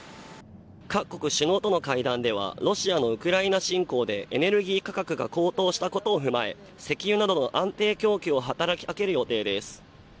各国首脳との会談ではロシアのウクライナ侵攻でエネルギー価格が高騰したことを踏まえ石油などの安定供給を働き掛ける予定です。